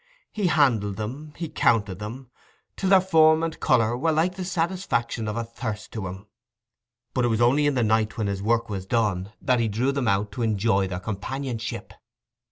He handled them, he counted them, till their form and colour were like the satisfaction of a thirst to him; but it was only in the night, when his work was done, that he drew them out to enjoy their companionship.